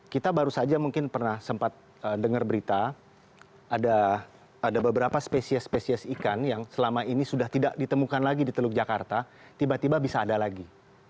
kita baru saja mungkin pernah sempat dengar berita ada beberapa spesies spesies ikan yang selama ini sudah tidak ditemukan lagi di teluk jakarta tiba tiba bisa ada lagi